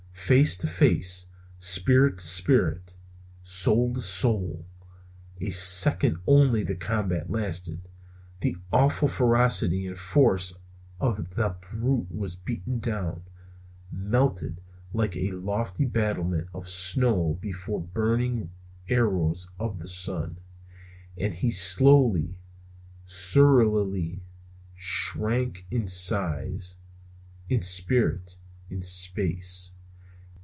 Face to face! Spirit to spirit! Soul to soul! A second only the combat lasted. The awful ferocity and force of the brute was beaten down, melted like lofty battlements of snow before the burning arrows of the sun, and he slowly, surlily, shrank in size, in spirit, in space.